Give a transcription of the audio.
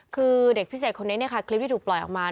คือเด็กพิเศษคนนี้คลิปที่ถูกปล่อยออกมา